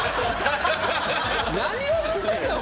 何を言うてんねんお前。